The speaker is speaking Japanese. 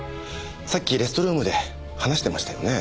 さっきレストルームで話してましたよね。